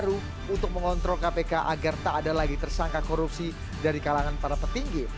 untuk mengontrol kpk agar tak ada lagi tersangka korupsi dari kalangan para petinggi